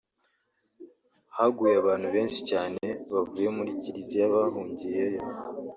haguye abantu benshi cyane bavuye mu Kiliziya bahungiye yo